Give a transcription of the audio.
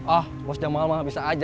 oh bos jamal mah bisa aja